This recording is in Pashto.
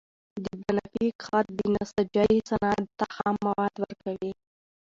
د پنبي کښت د نساجۍ صنعت ته خام مواد ورکوي.